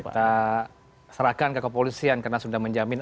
kita serahkan ke kepolisian karena sudah menjamin